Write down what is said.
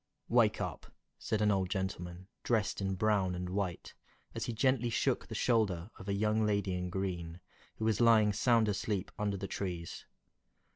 "WAKE up!" said an old gentleman, dressed in brown and white, as he gently shook the shoulder of a young lady in green, who was lying sound asleep under the trees.